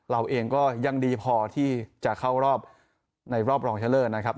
เราเองก็ยังดีพอที่จะเข้ารอบในรอบรองชะเลิศนะครับ